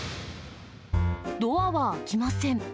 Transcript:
ドアは開きません。